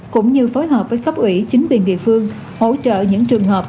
cũng như phối hợp với khắp ủy chính viên địa phương hỗ trợ những trường hợp